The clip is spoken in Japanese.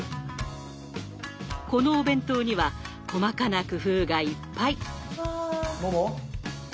このお弁当には細かな工夫がいっぱい。